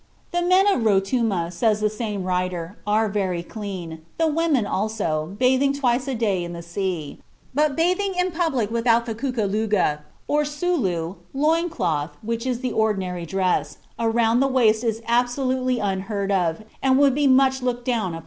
The men of Rotuma, says the same writer, are very clean, the women also, bathing twice a day in the sea; but "bathing in public without the kukuluga, or sulu [loin cloth, which is the ordinary dress], around the waist is absolutely unheard of, and would be much looked down upon."